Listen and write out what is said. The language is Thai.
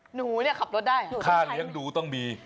หนูเนี่ยขับรถได้เหรอหนูค่าเลี้ยงดูต้องมี